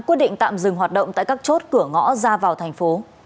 quyết định tạm dừng hoạt động tại các chốt cửa ngõ ra vào tp